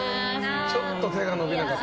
ちょっと手が伸びなかった。